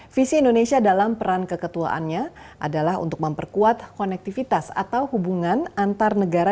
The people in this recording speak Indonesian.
visi indonesia dalam peran keketuaannya adalah untuk memperkuat korektivitas atau hubungan antarnegara